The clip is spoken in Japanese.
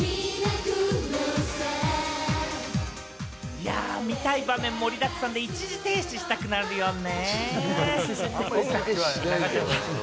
いや、見たい場面が盛りだくさんで一時停止したくなるよね！